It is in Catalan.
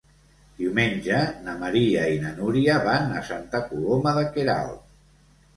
Diumenge na Maria i na Núria van a Santa Coloma de Queralt.